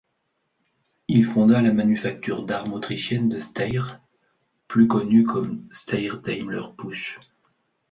Il fonda la Manufacture d'armes autrichienne de Steyr, plus connue comme Steyr-Daimler-Puch.